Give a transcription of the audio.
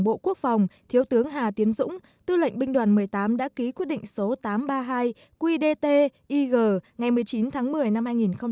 bộ quốc phòng thiếu tướng hà tiến dũng tư lệnh binh đoàn một mươi tám đã ký quyết định số tám trăm ba mươi hai qdtig ngày một mươi chín tháng một mươi năm hai nghìn một mươi chín